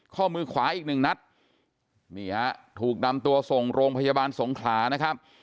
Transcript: ข้อมือขวาอีกหนึ่งนัดนี่ฮะถูกนำตัวส่งโรงพยาบาลสงขลานะครับ